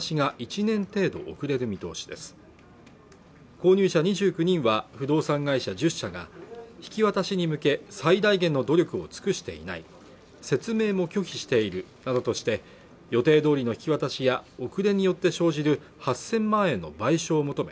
購入者２９人は不動産会社１０社が引き渡しに向け最大限の努力を尽くしていない説明も拒否しているなどとして予定どおりの引き渡しや遅れによって生じる８０００万円の賠償を求め